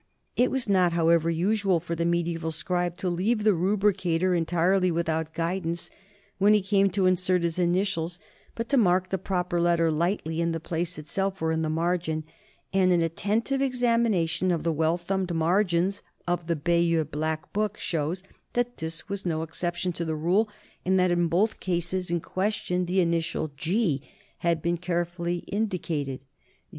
It was not, however, usual for the mediaeval scribe to leave the rubricator entirely without guidance when he came to insert his initials, but to mark the proper letter lightly in the place itself or on the margin, and an at tentive examination of the well thumbed margins of the Bayeux Black Book shows that this was no excep tion to the rule, and that in both the cases in question ii2 NORMANS IN EUROPEAN HISTORY the initial G had been carefully indicated.